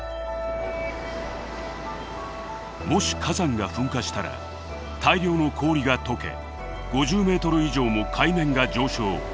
もし火山が噴火したら大量の氷が解け５０メートル以上も海面が上昇。